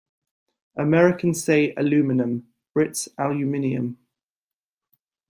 Americans say aluminum, Brits aluminium